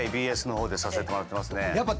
ＢＳの方でさせてもらってますね。